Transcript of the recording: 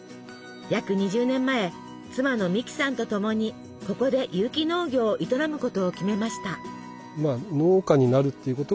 約２０年前妻の美木さんとともにここで有機農業を営むことを決めました。